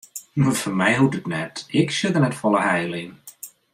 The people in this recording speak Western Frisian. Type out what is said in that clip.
Foar my hoecht it net, ik sjoch der net folle heil yn.